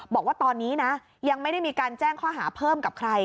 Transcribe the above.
บอกว่าตอนนี้นะยังไม่ได้มีการแจ้งข้อหาเพิ่มกับใคร